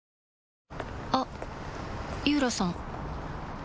あっ井浦さん